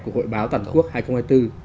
của hội báo toàn quốc hai nghìn hai mươi bốn